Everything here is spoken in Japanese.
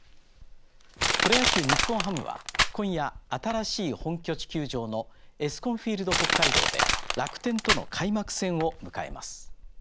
プロ野球日本ハムは今夜新しい本拠地球場のエスコンフィールド北海道で楽天との開幕戦を迎えます。